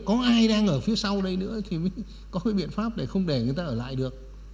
có ai đang ở phía sau đây nữa thì mới có cái biện pháp để không để người ta ở lại được